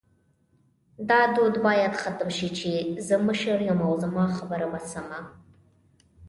دا دود باید ختم شې چی زه مشر یم او زما خبره به سمه